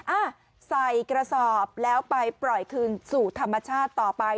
อ่ะใส่กระสอบแล้วไปปล่อยคืนสู่ธรรมชาติต่อไป